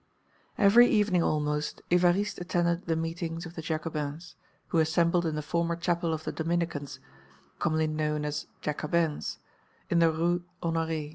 Every evening almost Évariste attended the meetings of the Jacobins, who assembled in the former chapel of the Dominicans, commonly known as Jacobins, in the Rue Honoré.